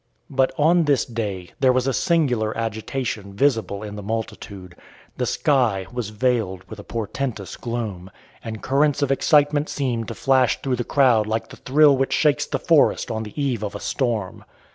But on this day there was a singular agitation visible in the multitude. The sky was veiled with a portentous gloom, and currents of excitement seemed to flash through the crowd like the thrill which shakes the forest on the eve of a storm.